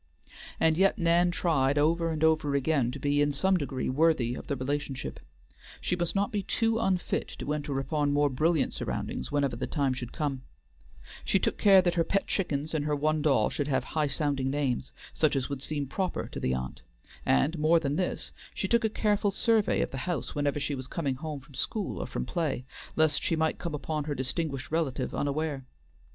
And yet Nan tried over and over again to be in some degree worthy of the relationship. She must not be too unfit to enter upon more brilliant surroundings whenever the time should come, she took care that her pet chickens and her one doll should have high sounding names, such as would seem proper to the aunt, and, more than this, she took a careful survey of the house whenever she was coming home from school or from play, lest she might come upon her distinguished relative unawares.